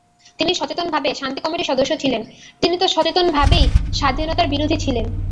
যিনি সচেতনভাবে শান্তি কমিটির সদস্য ছিলেন, তিনি তো সচেতনভাবেই স্বাধীনতার বিরোধী ছিলেন।